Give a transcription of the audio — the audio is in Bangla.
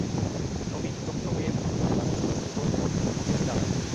নবীন চকিত হয়ে মধুসূদনের কাছে চুপি চুপি বললে, বুঝেছি দাদা।